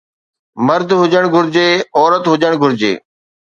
مرد هجڻ گهرجي عورت هجڻ گهرجي